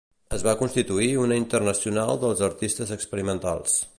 Es va constituir una Internacional dels Artistes Experimentals.